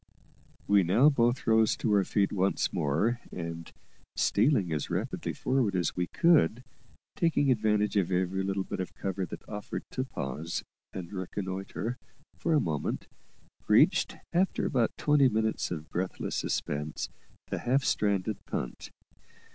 We now both rose to our feet once more, and, stealing as rapidly forward as we could, taking advantage of every little bit of cover that offered to pause and reconnoitre for a moment, reached, after about twenty minutes of breathless suspense, the half stranded punt.